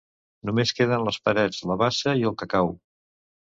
Només queden les parets, la bassa i el cacau.